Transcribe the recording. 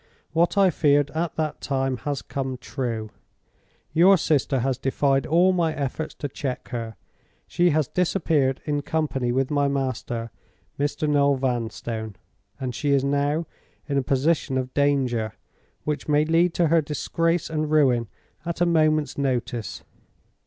What I feared at that time has come true. Your sister has defied all my efforts to check her; she has disappeared in company with my master, Mr. Noel Vanstone; and she is now in a position of danger which may lead to her disgrace and ruin at a moment's notice.